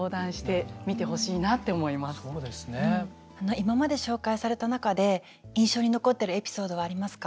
今まで紹介された中で印象に残ってるエピソードはありますか？